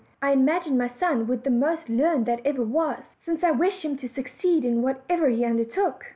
I imagined my son would the most learned that ever was, since I wished him to succeed in whatever he under took."